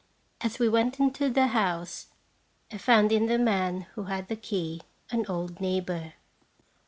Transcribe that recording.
As we went into the house, I found in the man who had the key an old neighbor.